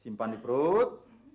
simpan di perut